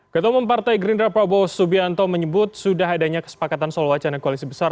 ketemu partai gerindra prabowo subianto menyebut sudah adanya kesepakatan soal wacana koalisi besar